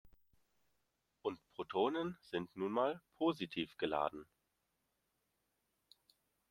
Und Protonen sind nun mal positiv geladen.